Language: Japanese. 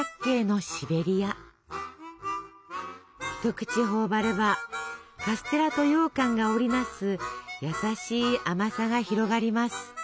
一口頬張ればカステラとようかんが織り成す優しい甘さが広がります。